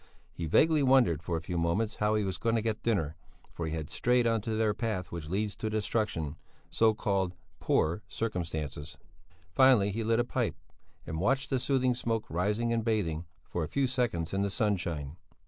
He vaguely wondered for a few moments how he was to get dinner, for he had strayed on to that path which leads to destruction, so called poor circumstances. Finally he lit a pipe and watched the soothing smoke rising and bathing, for a few seconds in the sunshine.